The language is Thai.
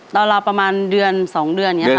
ราวประมาณเดือน๒เดือนอย่างนี้ค่ะ